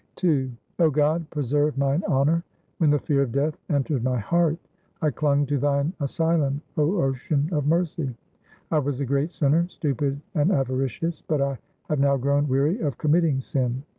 II 0 God, preserve mine honour : When the fear of Death entered my heart, I clung to Thine asylum, O Ocean of mercy. 1 was a great sinner, stupid and avaricious, but I have now grown weary of committing sin.